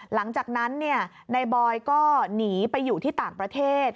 หลังจากนั้นนายบอยก็หนีไปอยู่ที่ต่างประเทศ